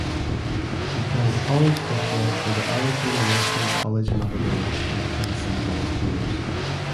He played college football for the Arizona Western College Matadors and Tennessee Volunteers.